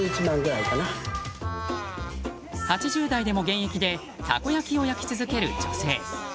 ８０代でも現役でたこ焼きを焼き続ける女性。